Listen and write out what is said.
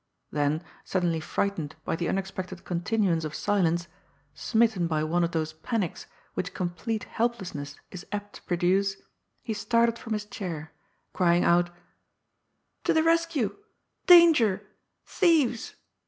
Then, suddenly frightened by the unexpected continuance of silence, smitten by one of those panics which complete helplessness is apt to produce, he started from his chair, crying out :" To the rescue ! Danger I Thieves